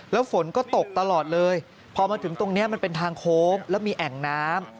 แล้วฝนก็ตกตลอดเลยพอมาถึงตรงนี้มันเป็นทางโค้งแล้วมีแอ่งน้ำ